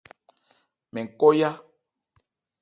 Mɛn kɔ́ yá.